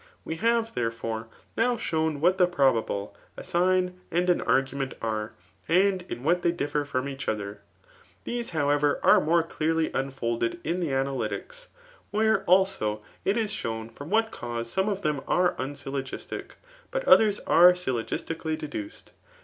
We have, therefore^ now shown what the probable, a sign, and an argument, are, and in what they differ from each other. These, hosfver, are. more <mAW. tt. mHBTOJtlC. l& dearly unfolded in the Analytics, where, also, it b ahovn from what cause some of them are unsyllogisdc^ but others are syllogistically deduced.